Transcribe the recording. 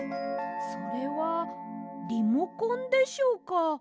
それはリモコンでしょうか？